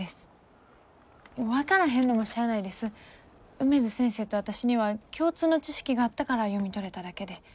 梅津先生と私には共通の知識があったから読み取れただけで。